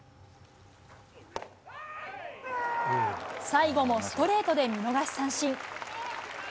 最後もストレートで見逃し三振。